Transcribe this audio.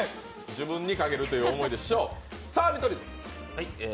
自分に賭けるという思いでしょう。